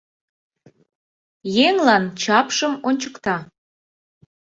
Еҥлан чапшым ончыкта;